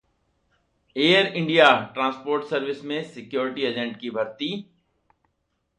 air India transport service में security agent की भर्ती